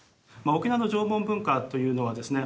沖縄の縄文文化というのはですね